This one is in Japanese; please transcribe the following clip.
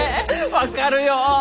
分かるよ！